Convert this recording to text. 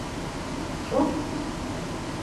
Teṭṭseḍ?